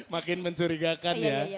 makin mencurigakan ya